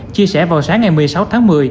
chia sẻ vào sáng ngày một mươi sáu tháng một mươi